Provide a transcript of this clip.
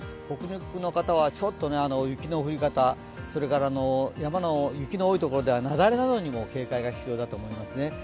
北陸の方はちょっと雪の降り方、山の雪の多いところでは雪崩などにも警戒が必要だと思いますね。